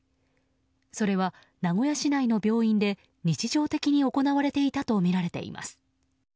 それは名古屋市内の病院で日常的に行われたとみられています。